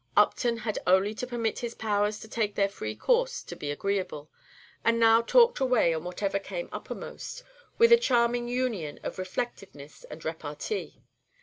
Upton had only to permit his powers to take their free course to be agreeable, and now talked away on whatever came uppermost, with a charming union of reflectiveness and repartee.